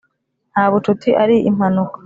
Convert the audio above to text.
nta bucuti ari impanuka.